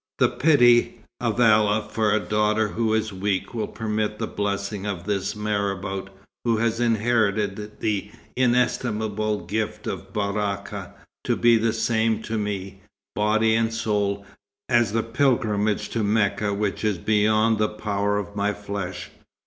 The pity of Allah for a daughter who is weak will permit the blessing of this marabout, who has inherited the inestimable gift of Baraka, to be the same to me, body and soul, as the pilgrimage to Mecca which is beyond the power of my flesh.